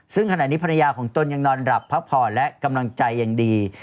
ซึ่งขณะนี้ภรรยาของตนยังนอนหลับพักผ่อนและกำลังใจอย่างดี